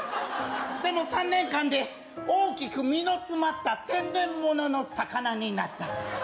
でも３年間で大きく身の詰まった天然ものの魚になった。